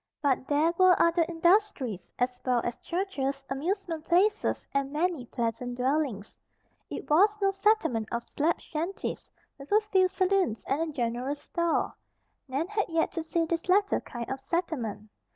But there were other industries, as well as churches, amusement places and many pleasant dwellings. It was no settlement of "slab shanties" with a few saloons and a general store. Nan had yet to see this latter kind of settlement.